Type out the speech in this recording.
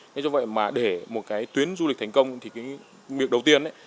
nên cho vậy mà để một cái tuyến du lịch thành công thì cái việc đầu tiên